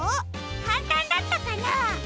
かんたんだったかな？